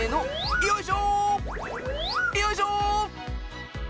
よいしょ！